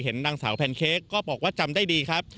นางสาวแพนเค้กก็บอกว่าจำได้ดีครับ